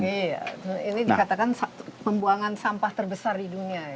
ini dikatakan pembuangan sampah terbesar di dunia